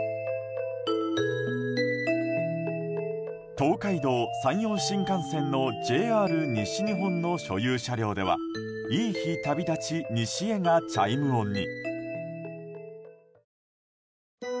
東海道・山陽新幹線のＪＲ西日本の所有車両では鬼束ちひろさんが歌う「いい日旅立ち、西へ」がチャイム音に。